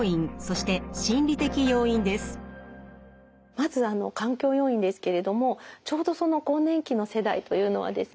まず環境要因ですけれどもちょうどその更年期の世代というのはですね